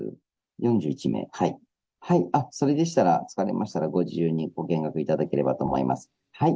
４１名、それでしたら、着かれましたら、ご自由にご見学いただければと思います。